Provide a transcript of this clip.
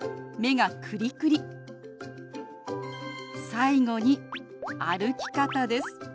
最後に歩き方です。